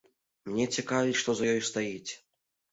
Мяне цікавіць, што за ёй стаіць.